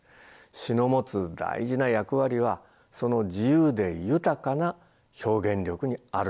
詩の持つ大事な役割はその自由で豊かな表現力にあるのです。